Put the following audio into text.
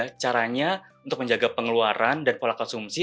bagaimana caranya untuk menjaga pengeluaran dan pola konsumsi